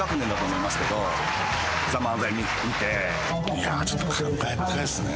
いやちょっと感慨深いですね。